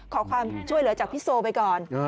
ขอความช่วยเหลือจากพี่โซไปก่อน